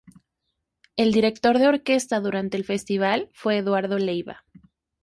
El director de orquesta durante el festival fue Eduardo Leiva.